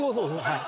はい。